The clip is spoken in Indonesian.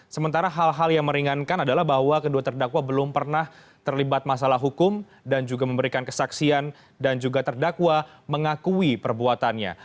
sementara hal hal yang meringankan adalah bahwa kedua terdakwa belum pernah terlibat masalah hukum dan juga memberikan kesaksian dan juga terdakwa mengakui perbuatannya